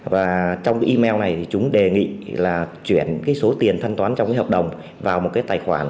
và trong email này thì chúng đề nghị là chuyển số tiền thân toán trong hợp đồng vào một tài khoản